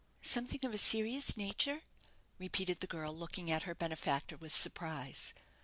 "Something of a serious nature," repeated the girl, looking at her benefactor with surprise.